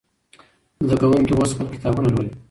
زده کوونکي اوس خپل کتابونه لولي.